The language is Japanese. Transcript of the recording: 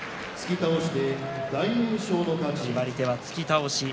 決まり手は突き倒し。